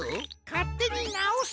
かってになおすな。